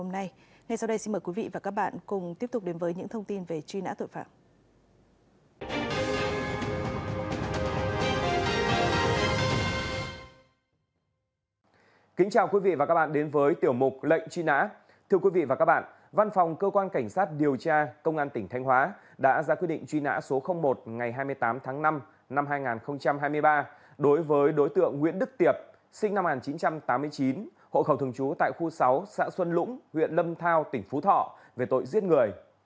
một lệnh truy nã thưa quý vị và các bạn văn phòng cơ quan cảnh sát điều tra công an tỉnh thanh hóa đã ra quy định truy nã số một ngày hai mươi tám tháng năm năm hai nghìn hai mươi ba đối với đối tượng nguyễn đức tiệp sinh năm một nghìn chín trăm tám mươi chín hộ khẩu thường trú tại khu sáu xã xuân lũng huyện lâm thao tỉnh phú thọ về tội giết người